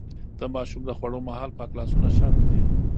د ماشوم د خوړو مهال پاک لاسونه شرط دي.